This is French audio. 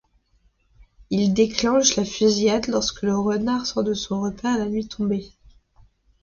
Ils déclenchent la fusillade lorsque le renard sort de son repaire la nuit tombée.